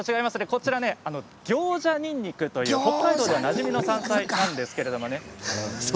こちらはギョウジャニンニクという北海道ではなじみの山菜なんですけれどもね。